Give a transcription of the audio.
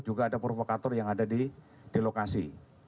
juga ada provokator yang ada di lokasi